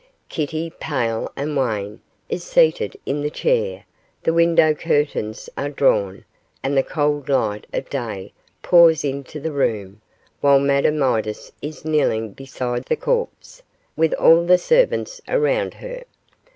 Kitty, pale and wan, is seated in the chair; the window curtains are drawn, and the cold light of day pours into the room, while Madame Midas is kneeling beside the corpse, with all the servants around her.